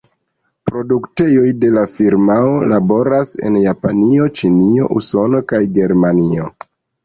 Produktejoj de la firmao laboras en Japanio, Ĉinio, Usono kaj Germanio.